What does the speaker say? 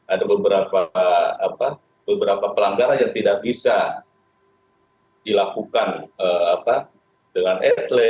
ada beberapa pelanggaran yang tidak bisa dilakukan dengan atle